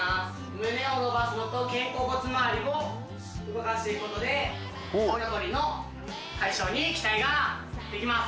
胸を伸ばすのと肩甲骨まわりを動かしていくことでこりの解消に期待ができます